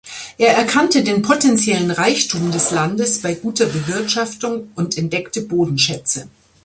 Er erkannte den potenziellen Reichtum des Landes bei guter Bewirtschaftung und entdeckte Bodenschätze.